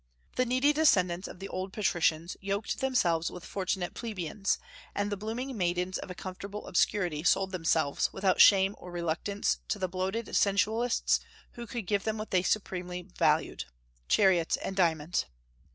The needy descendants of the old patricians yoked themselves with fortunate plebeians, and the blooming maidens of a comfortable obscurity sold themselves, without shame or reluctance, to the bloated sensualists who could give them what they supremely valued, chariots and diamonds.